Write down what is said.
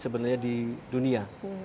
sebenarnya di dunia